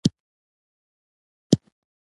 زه د خاموشو سهارو خوښوم.